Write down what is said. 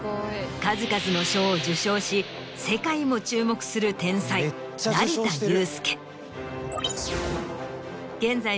数々の賞を受賞し世界も注目する天才成田悠輔。